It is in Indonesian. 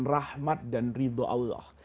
rahmat dan ribu allah